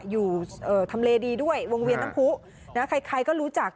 อยู่ทำเลดีด้วยวงเวียนน้ำผู้นะใครก็รู้จัก